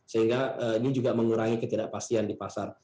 sehingga ini juga mengurangi ketidakpastian di pasar